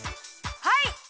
はい！